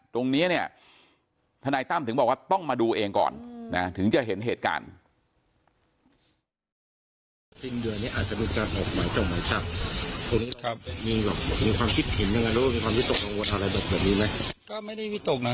ตรงนี้เนี่ยทนายตั้มถึงบอกว่าต้องมาดูเองก่อนนะถึงจะเห็นเหตุการณ์